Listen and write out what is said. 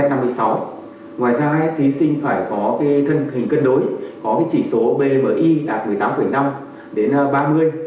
ngoài ra thí sinh phải có thân hình cân đối có chỉ số bmi đạt một mươi tám năm đến ba mươi